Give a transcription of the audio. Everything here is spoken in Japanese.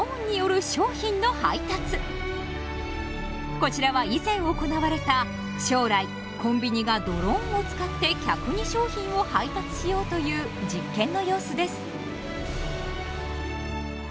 こちらは以前行われた将来コンビニがドローンを使って客に商品を配達しようという実験の様子です。